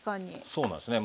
そうなんですね。